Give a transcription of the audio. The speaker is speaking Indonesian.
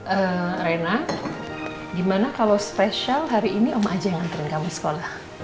eh reyna gimana kalau spesial hari ini emma aja yang nganterin kamu ke sekolah